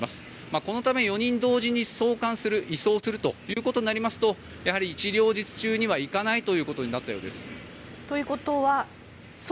このため４人同時に送還、移送するとなりますとやはり一両日中にはいかないということになったということです。